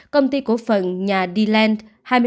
công ty cổ phần nhà d land hai mươi năm